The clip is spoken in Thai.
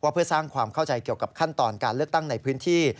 เพื่อสร้างความเข้าใจเกี่ยวกับขั้นตอนการเลือกตั้งในพื้นที่